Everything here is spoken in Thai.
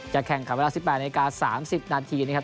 แข่งขันเวลา๑๘นาที๓๐นาทีนะครับ